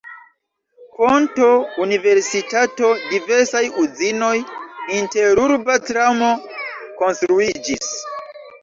Ponto, universitato, diversaj uzinoj, interurba tramo konstruiĝis.